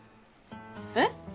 えっ？